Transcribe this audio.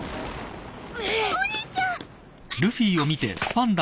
お兄ちゃん！